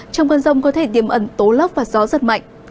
trong con rông có thể điểm ẩn tố lốc và gió rất mạnh